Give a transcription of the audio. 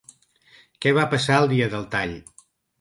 Què va passar el dia del tall?